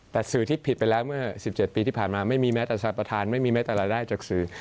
แต่สื่อที่ผิดไปแล้วเมื่อ๑๗ปีที่ผ่านมาไม่มีแม้แต่สรรพทานไม่มีแม้แต่รายได้จากสื่อ